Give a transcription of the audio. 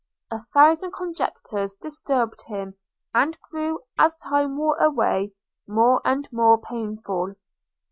A thousand conjectures disturbed him, and grew, as time wore away, more and more painful.